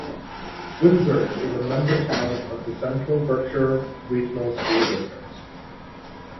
Windsor is a member town of the Central Berkshire Regional School District.